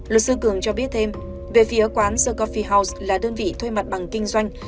luật sư cường cho biết thêm về phía quán secuffie house là đơn vị thuê mặt bằng kinh doanh